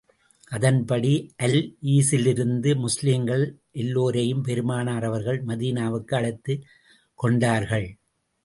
அதன்படி, அல் ஈஸிலிருந்த முஸ்லிம்களை எல்லோரையும் பெருமானார் அவர்கள் மதீனாவுக்கு அழைத்துக் கொண்டார்கள்.